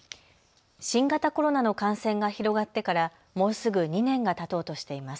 新型コロナの感染が広がってからもうすぐ２年がたとうとしています。